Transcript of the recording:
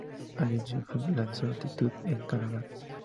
Alliance Films lanzó "Altitude" en Canadá.